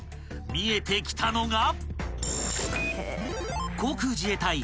［見えてきたのが］